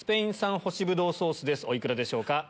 お幾らでしょうか？